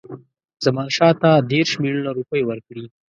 زمانشاه ته دېرش میلیونه روپۍ ورکړي.